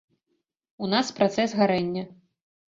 У нас працэс гарэння.